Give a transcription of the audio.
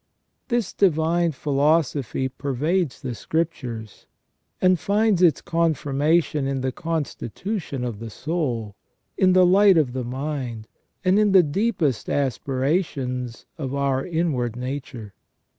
This divine philosophy pervades the Scriptures, and finds its confirmation in the constitution of the soul, in the light of the mind, and in the deepest aspirations of our inward nature.